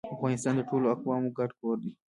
افغانستان د ټولو اقوامو ګډ کور دی